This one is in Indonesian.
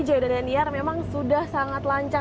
jaya dan deniar memang sudah sangat lanjut